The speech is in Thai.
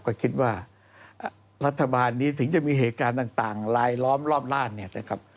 ก็คิดว่ารัฐบาลนี้ถึงจะมีเหตุการณ์ต่างลายล้อมรอบร่านเนี่ยนะครับ